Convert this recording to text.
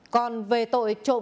còn về tội truyền thống